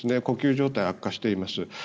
呼吸状態が悪化しています。